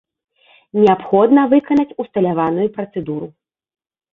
Неабходна выканаць усталяваную працэдуру.